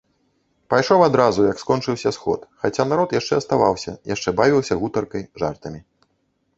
Пайшоў адразу, як скончыўся сход, хаця народ яшчэ аставаўся, яшчэ бавіўся гутаркай, жартамі.